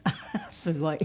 すごい。